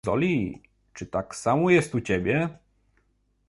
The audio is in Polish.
Zoli, czy tak samo jest u ciebie?